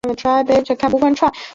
由独立电视公司所有。